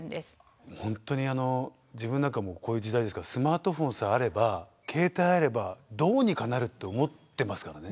本当に自分何かもうこういう時代ですからスマートフォンさえあれば携帯あればどうにかなるって思ってますからね。